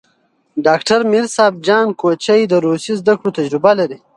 ډاکټر میر صاب جان کوچي د روسي زدکړو تجربه لري.